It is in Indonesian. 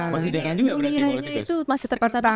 masih di dpr juga berarti politikus